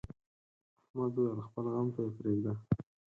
احمد وويل: خپل غم ته یې پرېږده.